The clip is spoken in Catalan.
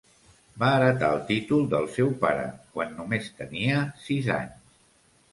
Va heretar el títol del seu pare, quan només tenia sis anys.